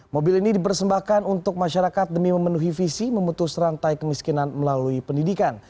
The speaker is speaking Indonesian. mobil ini dipersembahkan untuk masyarakat demi memenuhi visi memutus rantai kemiskinan melalui pendidikan